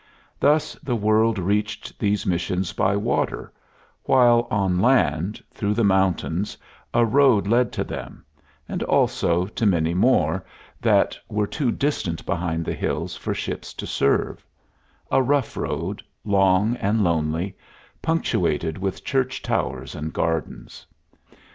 Thus the world reached these missions by water; while on land, through the mountains, a road led to them, and also to many more that were too distant behind the hills for ships to serve a rough road, long and lonely, punctuated with church towers and gardens.